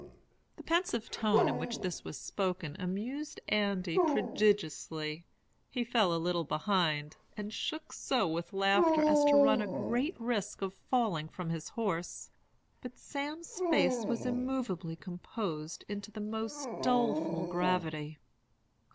"The pensive tone in which this was spoken amused Andy prodigiously. He fell a little behind, and shook so with laughter as to run a great risk of falling from his horse. But Sam's face was immovably composed into the most doleful gravity.